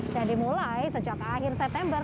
dan dimulai sejak akhir september